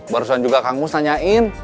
barusan juga kang mus nanyain